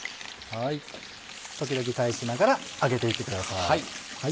時々返しながら揚げていってください。